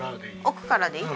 奥からでいい？